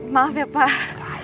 maaf ya pak